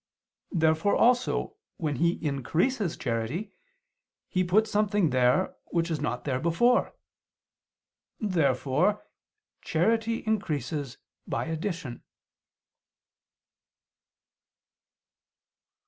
Therefore also, when He increases charity, He puts something there which was not there before. Therefore charity increases by addition.